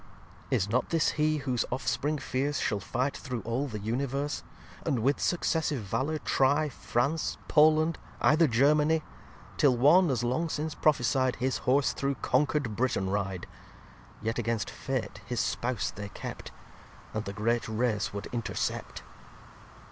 xxxi Is not this he whose Offspring fierce Shall fight through all the Universe; And with successive Valour try France, Poland, either Germany; Till one, as long since prophecy'd, His Horse through conquer'd Britain ride? Yet, against Fate, his Spouse they kept; And the great Race would intercept.